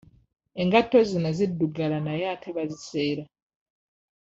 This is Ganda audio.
Engatto zino ziddugala naye ate baziseera.